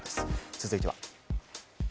続いては。